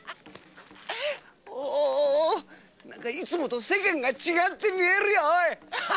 おおいつもと世間が違って見えるよおい！